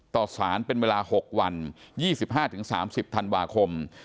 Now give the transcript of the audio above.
ต่อสารเป็นเวลา๖วัน๒๕๓๐ธันวาคม